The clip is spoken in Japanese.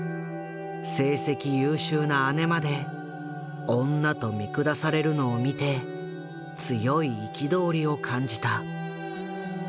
成績優秀な姉まで「女」と見下されるのを見て強い憤りを感じた。